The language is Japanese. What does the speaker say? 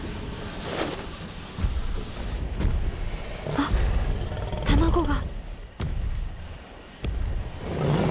あっ卵が。